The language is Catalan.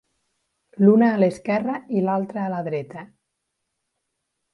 L'una a l'esquerra i l'altra a la dreta.